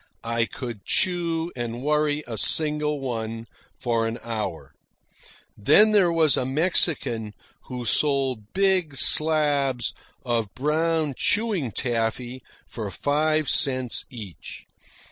I could chew and worry a single one for an hour. Then there was a Mexican who sold big slabs of brown chewing taffy for five cents each.